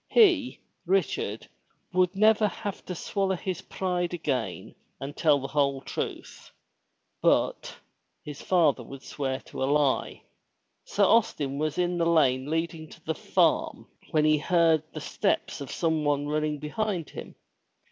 He, Richard, would never have to swallow his pride again and tdl the whole truth. But — his father would swear to a lie! Sir Austin was in the lane leading to the farm when he heard 251 MY BOOK HOUSE steps of some one running behind him.